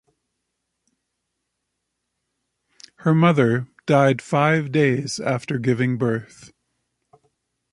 Her mother died five days after giving birth.